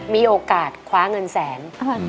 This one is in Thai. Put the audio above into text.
มีโอกาสคว้าเงินแสน